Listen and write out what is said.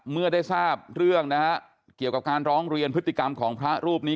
เมื่อได้ทราบเรื่องนะฮะเกี่ยวกับการร้องเรียนพฤติกรรมของพระรูปนี้